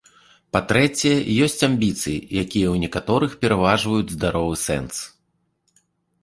Па-трэцяе, ёсць амбіцыі, якія ў некаторых пераважваюць здаровы сэнс.